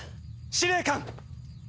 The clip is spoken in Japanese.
司令官！